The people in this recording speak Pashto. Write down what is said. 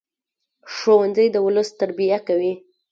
ښوونځی د ولس تربیه کوي